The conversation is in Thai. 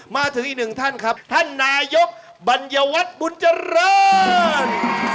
มาถึงอีกหนึ่งท่านครับท่านนายกบัญญวัฒน์บุญเจริญ